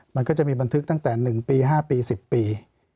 มันก็จะมีบันทึกตั้งแต่๑ปี๕ปี๑๐ปี